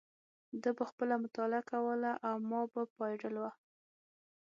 ده به خپله مطالعه کوله او ما به پایډل واهه.